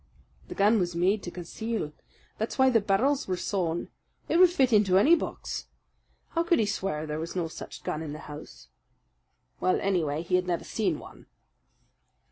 "The gun was made to conceal. That's why the barrels were sawed. It would fit into any box. How could he swear there was no such gun in the house?" "Well, anyhow, he had never seen one."